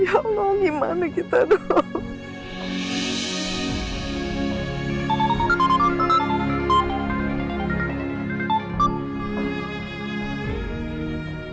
ya allah gimana kita dong